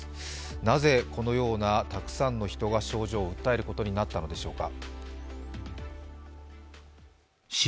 なぜこのようなたくさんの人が症状を訴えることになったのでしょうか。